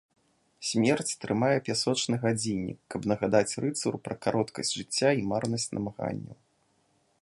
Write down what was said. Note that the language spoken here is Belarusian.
Смерць трымае пясочны гадзіннік, каб нагадаць рыцару пра кароткасць жыцця і марнасць намаганняў.